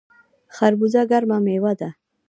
خربوزه ګرمه میوه ده